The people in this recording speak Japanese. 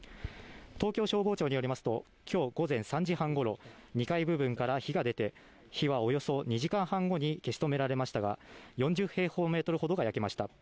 東京消防庁によりますと今日午前３時半ごろ２階部分から火が出て火はおよそ２時間半後に消し止められましたが４０平方メートルほどが焼けました。